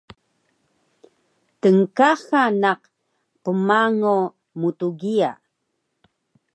tnkaxa naq qmango mtgiya